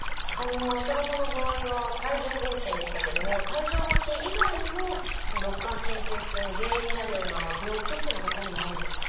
浅田さんの場合は帯状疱疹でしたけども帯状疱疹以外にも肋間神経痛の原因になるような病気っていうのはほかにもあるんですか？